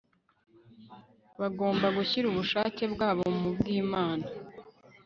bagomba gushyira ubushake bwaho mu bwImana